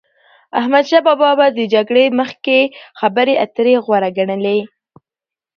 احمدشا بابا به د جګړی مخکي خبري اتري غوره ګڼلې.